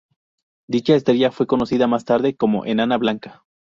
Dicha estrella fue conocida más tarde como enana blanca.